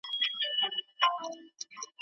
سوسیالیزم د همدې تجربو په پایله کي رامنځته سو.